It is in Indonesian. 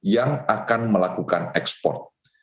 yang akan melakukan ekspor